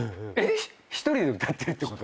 一人で歌ってるってこと？